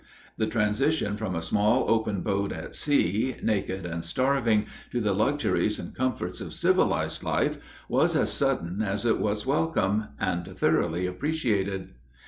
The transition from a small open boat at sea, naked and starving, to the luxuries and comforts of civilized life was as sudden as it was welcome and thoroughly appreciated.